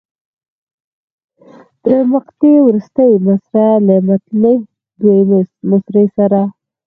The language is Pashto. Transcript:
د مقطع وروستۍ مصرع له مطلع دویمې مصرع سره.